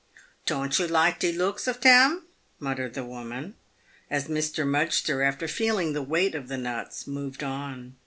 " Ton't you like te looksh of tern ?" muttered the woman, as Mr. Mudgster, after feel ing the weight of the nuts, moved on.